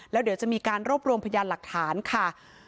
แล้วเดี๋ยวจะมีการรวบรวมพยานหลักฐานค่ะ